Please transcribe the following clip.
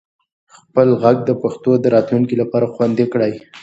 خپل ږغ د پښتو د راتلونکي لپاره خوندي کړئ.